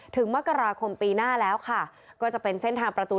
ถึงมกราคมปีหน้าแล้วค่ะก็จะเป็นเส้นทางประตู